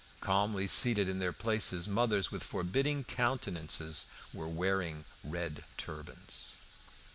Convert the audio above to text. Calmly seated in their places, mothers with forbidding countenances were wearing red turbans.